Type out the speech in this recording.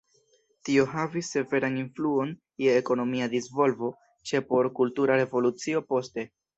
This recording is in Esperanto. Tio havis severan influon je ekonomia disvolvo, ĉe por Kultura Revolucio poste.